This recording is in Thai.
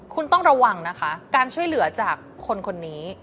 คุณต้องระวังนะคะการช่วยเหลือจากคนคนนี้